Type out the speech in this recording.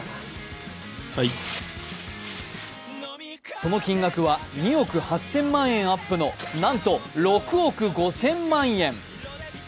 その金額は２億８０００万円アップの、なんと６億５０００万円。